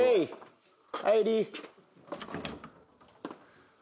入り。